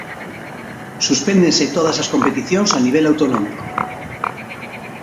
Suspéndense todas as competicións a nivel autonómico.